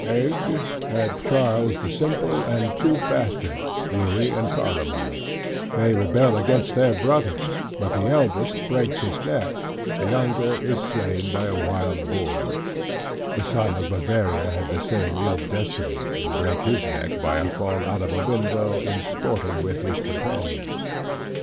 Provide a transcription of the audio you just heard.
Bègue had Charles the Simple and two bastards, Louis and Carloman; they rebel against their brother, but the eldest breaks his neck, the younger is slain by a wild boar; the son of Bavaria had the same ill destiny, and brake his neck by a fall out of a window in sporting with his companions.